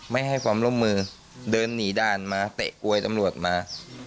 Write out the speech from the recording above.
ไม่ให้ความร่วมมือเดินหนีด่านมาเตะกวยตำรวจมา